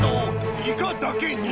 イカだけに！